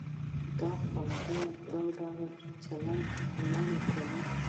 دا قاعده دا ډول چلند منع کوي.